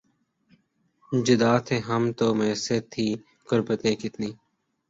جدا تھے ہم تو میسر تھیں قربتیں کتنی